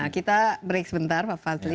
kita break sebentar pak fadli